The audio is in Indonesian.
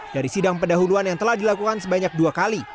dari sidang pendahuluan yang telah dilakukan sebanyak dua kali